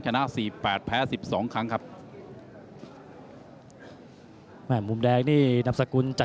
ชนะสี่ปแปดแพ้สิบสองครั้งครับหมุมแดงนนับสกลจาก